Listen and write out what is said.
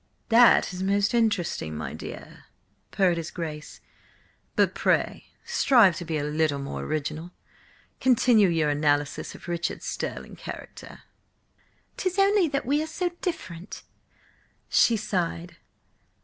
"That is most interesting, my dear," purred his Grace. "But pray strive to be a little more original. Continue your analysis of Richard's sterling character." "'Tis only that we are so different," she sighed.